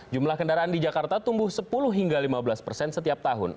jumlah kendaraan di jakarta tumbuh sepuluh hingga lima belas persen setiap tahun